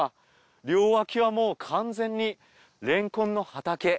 両脇はもう完全にれんこんの畑。